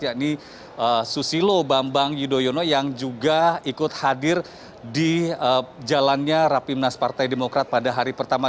yakni susilo bambang yudhoyono yang juga ikut hadir di jalannya rapimnas partai demokrat pada hari pertama